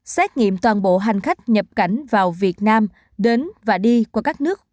xét nghiệm toàn bộ hành khách nhập cảnh vào việt nam đến và đi qua các nước